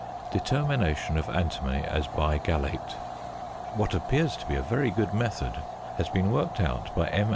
~Determination of Antimony as Bigallate.~ What appears to be a very good method has been worked out by M.